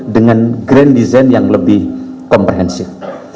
dengan grand design yang lebih komprehensif